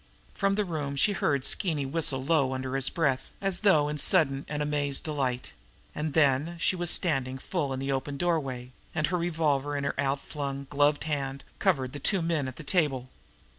From the room she heard Skeeny whistle low under his breath, as though in sudden and amazed delight and then she was standing full in the open doorway, and her revolver in her outflung, gloved hand covered the two men at the table.